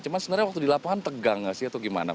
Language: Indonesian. cuma sebenarnya waktu di lapangan tegang gak sih atau gimana